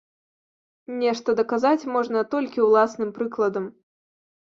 Нешта даказаць можна толькі ўласным прыкладам.